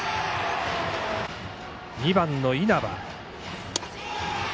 ２番の稲葉。